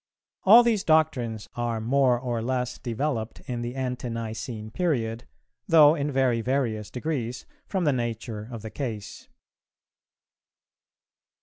All these doctrines are more or less developed in the Ante nicene period, though in very various degrees, from the nature of the case.